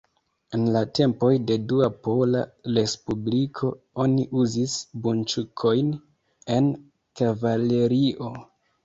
En la tempoj de Dua Pola Respubliko oni uzis bunĉukojn en kavalerio.